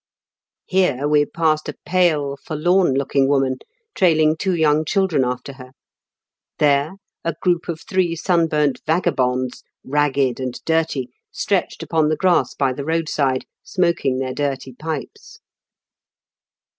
Here we passed a pale, forlorn looking woman, trailing two young children after her ; there a group of three sunburnt vagabonds, ragged and dirty, stretched upon the grass by the road side, smoking their dirty pipes.